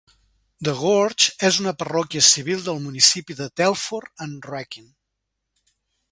The Gorge és una parròquia civil del municipi de Telford and Wrekin.